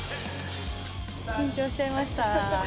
緊張しちゃいました。